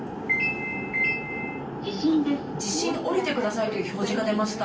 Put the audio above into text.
地震、降りてくださいという表示が出ました。